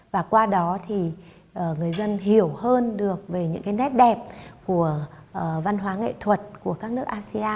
và qua đó người dân hiểu hơn được về những nét đẹp của văn hóa nghệ thuật